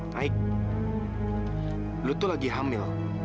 baik lu tuh lagi hamil